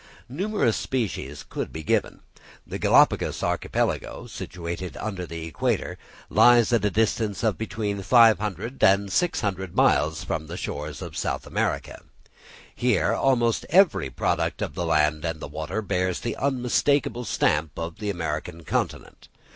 Numerous instances could be given. The Galapagos Archipelago, situated under the equator, lies at a distance of between 500 and 600 miles from the shores of South America. Here almost every product of the land and of the water bears the unmistakable stamp of the American continent.